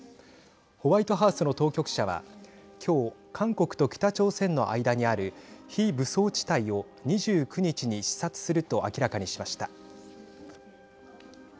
ホワイトハウスの当局者は今日、韓国と北朝鮮の間にある非武装地帯を２９日に視察すると明らかにしました。